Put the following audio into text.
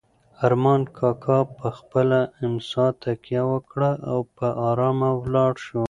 ارمان کاکا په خپله امسا تکیه وکړه او په ارامه ولاړ شو.